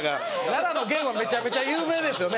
奈良の玄はめちゃめちゃ有名ですよね。